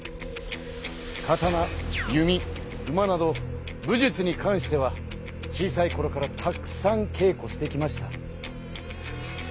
刀弓馬など武術に関しては小さいころからたくさん稽古してきました。